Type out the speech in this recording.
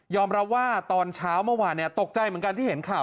รับว่าตอนเช้าเมื่อวานตกใจเหมือนกันที่เห็นข่าว